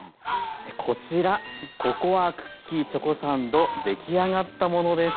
こちらココアクッキーチョコサンド出来上がったものです。